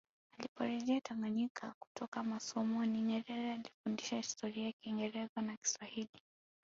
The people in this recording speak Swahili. Aliporejea Tanganyika kutoka masomoni Nyerere alifundisha Historia Kingereza na Kiswahili